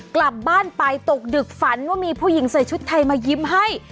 กลับบ้านไปตกดึกฝันว่ามีผู้หญิงใส่ชุดไทยมายิ้มให้